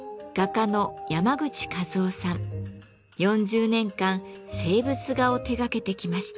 ４０年間静物画を手がけてきました。